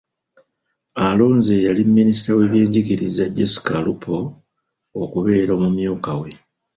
Alonze eyali minisita w’ebyenjigiriza, Jessica Alupo, okubeera omumyuka we.